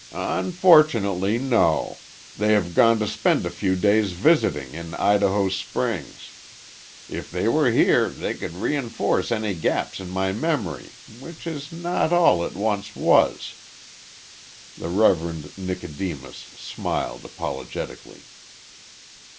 "Unfortunately, no. They have gone to spend a few days visiting in Idaho Springs. If they were here they could reënforce any gaps in my memory, which is not all it once was." The Reverend Nicodemus smiled apologetically.